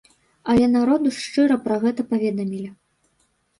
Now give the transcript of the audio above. Але народу ж шчыра пра гэта паведамілі.